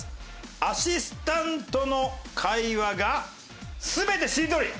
アシスタントの会話が全てしりとり。